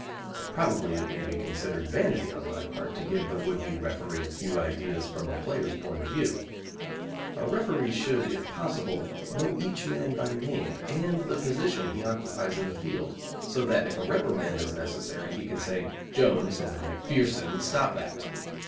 Probably it may be considered vanity on my part to give the would be referee a few ideas from a player's point of view. A referee should, if possible, know each man by name and the position he occupies in the field, so that if a reprimand is necessary he can say, "Jones or MacPherson, stop that!"